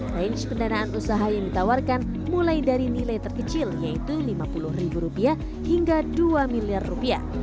range pendanaan usaha yang ditawarkan mulai dari nilai terkecil yaitu rp lima puluh ribu rupiah hingga dua miliar rupiah